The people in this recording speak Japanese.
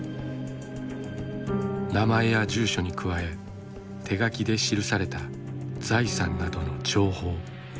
名前や住所に加え手書きで記された財産などの情報。